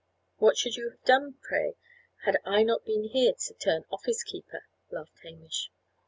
"What should you have done, pray, had I not been here to turn office keeper?" laughed Hamish.